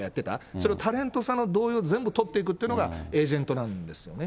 それをタレントさんの同意を全部取っていくというのが、エージェントなんですよね。